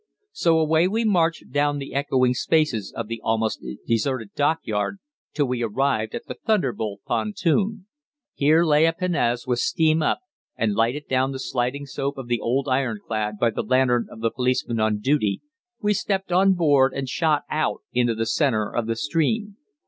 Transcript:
So away we marched down the echoing spaces of the almost deserted dockyard till we arrived at the 'Thunderbolt' pontoon. Here lay a pinnace with steam up, and lighted down the sloping side of the old ironclad by the lantern of the policeman on duty, we stepped on board and shot out into the centre of the stream.